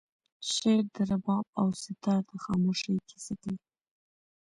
شعر د رباب او سیتار د خاموشۍ کیسه کوي